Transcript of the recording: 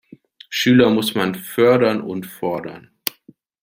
Schüler muss man fördern und fordern.